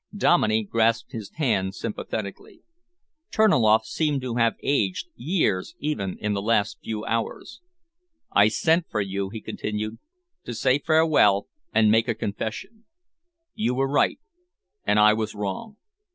Dominey grasped his hand sympathetically. Terniloff seemed to have aged years even in the last few hours. "I sent for you," he continued, "to say farewell, to say farewell and make a confession. You were right, and I was wrong.